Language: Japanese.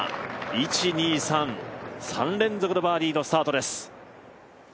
１、２、３、３連続のバーディーのスタートです。